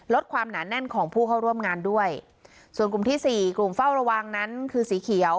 ลดความหนาแน่นของผู้เข้าร่วมงานด้วยส่วนกลุ่มที่สี่กลุ่มเฝ้าระวังนั้นคือสีเขียว